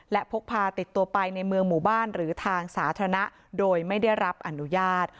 และพกพาติดตัวไปในเมืองหมู่บ้านหรือทางสาธารณะโดยไม่ได้รับอนุญาต